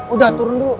udah turun dulu